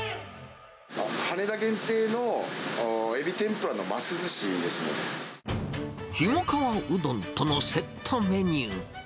羽田限定のエビ天ぷらの升ずひもかわうどんとのセットメニュー。